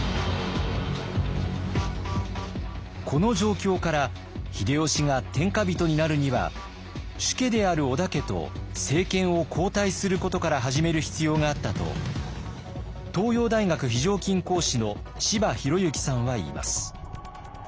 この状況から秀吉が天下人になるには主家である織田家と政権を交代することから始める必要があったと東洋大学非常勤講師の柴裕之さんは言います。